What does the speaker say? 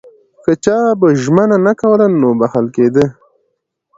که چا به ژمنه نه کوله نو نه بخښل کېده.